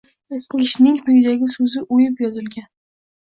kishining quyidagi so‘zi o‘yib yozilgan: